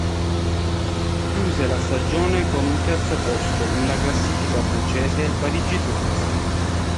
Chiuse la stagione con un terzo posto nella classica francese Parigi-Tours.